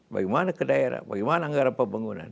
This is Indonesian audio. bagaimana ke daerah bagaimana anggaran pembangunan